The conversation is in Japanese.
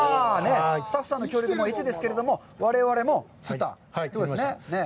スタッフさんの協力も得てですけれども、我々も釣ったということですね。